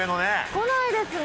来ないですね。